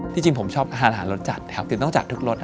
ที่จริงผมชอบอาหารรสจัดคือต้องจัดทุกรส